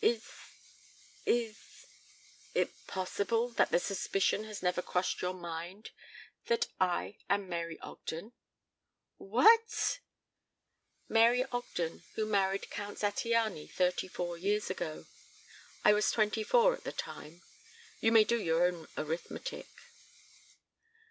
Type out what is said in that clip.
"Is is it possible that the suspicion has never crossed your mind that I am Mary Ogden?" "Wh a at!" "Mary Ogden, who married Count Zattiany thirty four years ago. I was twenty four at the time. You may do your own arithmetic."